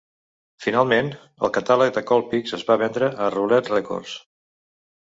Finalment, el catàleg de Colpix es va vendre a Roulette Records.